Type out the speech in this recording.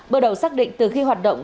bước đầu xác định từ khi hoạt động